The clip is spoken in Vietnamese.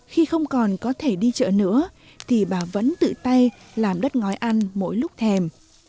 khi không còn có thể đi chợ nữa thì bà vẫn tự tay làm đất ngói ăn mỗi lúc thèm